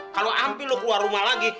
kalau ambil lo keluar rumah lagi